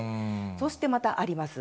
そしてまだあります。